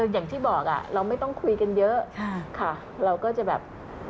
อย่างที่บอกเราไม่ต้องคุยกันเยอะค่ะเราก็จะแบบ